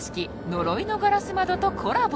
「呪いの硝子窓」とコラボ